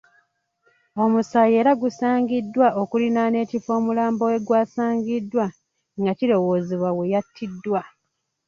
Omusaayi era gusaangiddwa okuliraana ekifo omulambo we gwasangiddwa nga kirowoozebwa we yattiddwa.